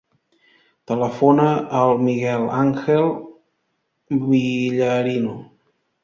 Telefona al Miguel àngel Villarino.